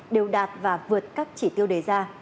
đều đạt và vượt các chỉ tiêu đề ra